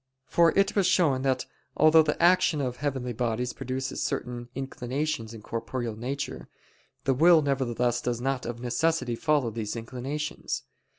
For it was shown that although the action of heavenly bodies produces certain inclinations in corporeal nature, the will nevertheless does not of necessity follow these inclinations.